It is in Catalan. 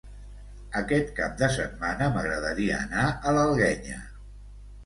Aquest cap de setmana m'agradaria anar a l'Alguenya.